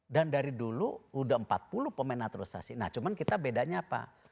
dan dari dulu udah empat puluh pemain naturalisasi nah cuman kita bedanya apa